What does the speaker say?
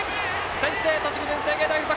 先制、栃木・文星芸大付属！